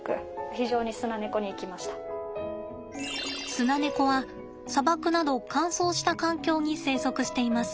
スナネコは砂漠など乾燥した環境に生息しています。